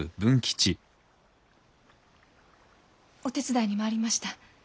お手伝いにまいりました。